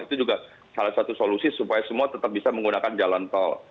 itu juga salah satu solusi supaya semua tetap bisa menggunakan jalan tol